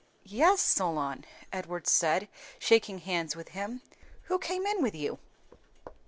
"Yes, Solon," Edward said, shaking hands with him. "Who came in with you?"